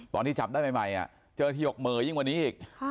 ตอนที่จับได้ใหม่เจ้าหน้าที่บอกเหม่อยิ่งกว่านี้อีก